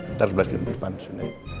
ntar sebelah sini depan sini